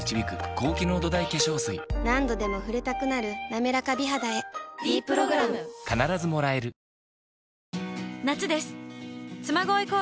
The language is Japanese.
何度でも触れたくなる「なめらか美肌」へ「ｄプログラム」そうそう！